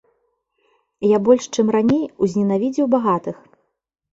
Я больш, чым раней, узненавідзеў багатых.